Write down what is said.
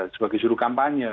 sebagai juru kampanye